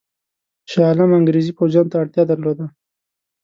شاه عالم انګرېزي پوځیانو ته اړتیا درلوده.